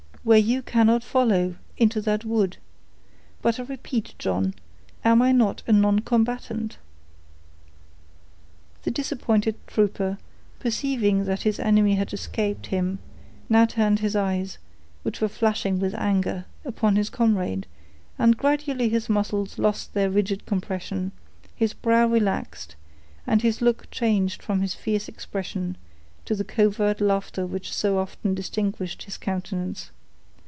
"Where you cannot follow—into that wood. But I repeat, John, am I not a noncombatant?" The disappointed trooper, perceiving that his enemy had escaped him, now turned his eyes, which were flashing with anger, upon his comrade, and gradually his muscles lost their rigid compression, his brow relaxed, and his look changed from its fierce expression, to the covert laughter which so often distinguished his countenance.